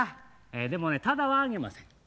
でもねただはあげません。